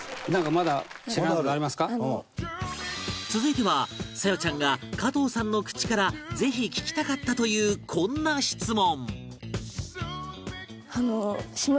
続いては沙夜ちゃんが加藤さんの口からぜひ聞きたかったというこんな質問